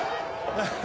ハハハ！